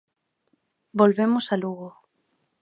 Volvemos a Lugo.